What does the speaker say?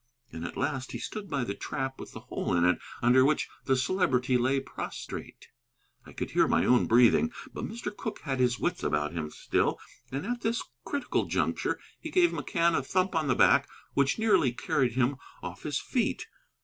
And at last he stood by the trap with the hole in it, under which the Celebrity lay prostrate. I could hear my own breathing. But Mr. Cooke had his wits about him still, and at this critical juncture he gave McCann a thump on the back which nearly carried him off his feet.